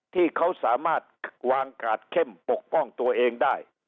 ที่เขาสามารถวางกาดเข้มปกป้องตัวเองได้